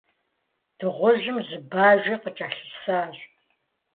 Дыгъужьым зы Бажи къыкӀэлъысащ.